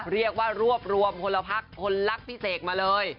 เรียกว่ารวบรวมคนละพักคนรักพี่เสกมาเลย